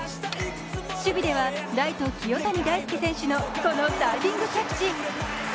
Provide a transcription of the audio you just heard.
守備ではライト・清谷大輔選手のこのダイビングキャッチ。